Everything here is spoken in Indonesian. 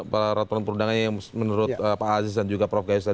peraturan perundangannya yang menurut pak aziz dan prof gaius